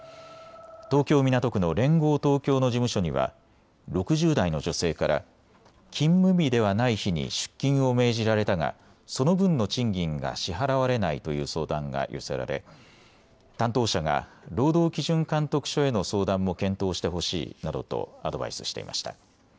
東京港区の連合東京の事務所には６０代の女性から勤務日ではない日に出勤を命じられたがその分の賃金が支払われないという相談が寄せられ担当者が労働基準監督署への相談も検討してほしいなどとアドバイスしていました。